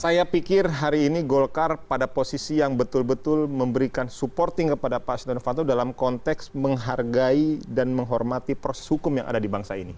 saya pikir hari ini golkar pada posisi yang betul betul memberikan supporting kepada pak stenovanto dalam konteks menghargai dan menghormati proses hukum yang ada di bangsa ini